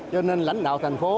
cho nên lãnh đạo thành phố